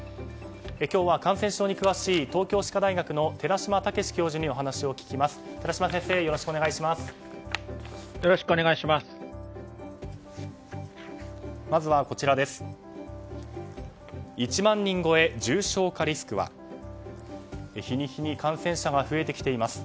今日は感染症に詳しい東京歯科大学の寺嶋毅先生に話を聞きます。